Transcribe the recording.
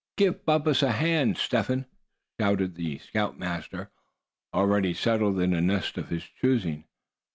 "Give Bumpus a hand, Step Hen!" shouted the scoutmaster, already settled in a nest of his choosing.